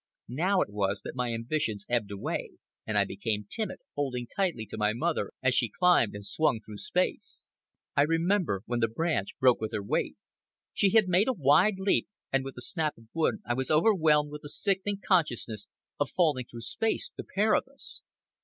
Now it was that my ambitions ebbed away, and I became timid, holding tightly to my mother as she climbed and swung through space. I remember when the branch broke with her weight. She had made a wide leap, and with the snap of the wood I was overwhelmed with the sickening consciousness of falling through space, the pair of us.